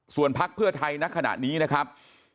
ส่วนพักเพื่อไทยณขณะนี้นะครับ